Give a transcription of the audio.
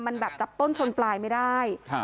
มันแบบจับต้นชนปลายไม่ได้